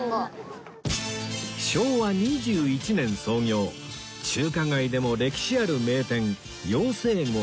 昭和２１年創業中華街でも歴史ある名店耀盛號売店